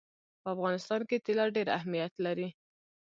په افغانستان کې طلا ډېر اهمیت لري.